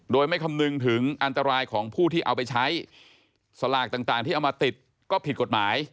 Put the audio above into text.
โดยไม่คำนึงถึงอันตรายของผู้ที่เอาไปใช้สลากต่างที่เอามาติดก็ผิดกฎหมาย